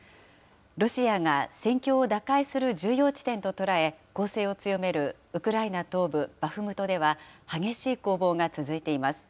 ロシアが戦況を打開する重要地点と捉え、攻勢を強めるウクライナ東部バフムトでは、激しい攻防が続いています。